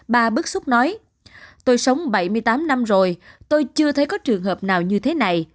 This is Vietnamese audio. bà bức xúc nói tôi sống bảy mươi tám năm rồi tôi chưa thấy có trường hợp nào như thế này